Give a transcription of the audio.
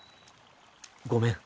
ごめん。